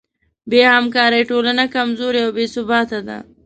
بېهمکارۍ ټولنه کمزورې او بېثباته ده.